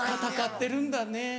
戦ってるんだね。